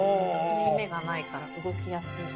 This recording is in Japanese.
縫い目がないから動きやすい。